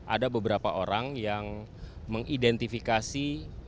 ada beberapa orang yang mengidentifikasi